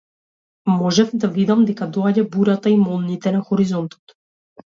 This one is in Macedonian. Можев да видам дека доаѓа бурата и молњите на хоризонтот.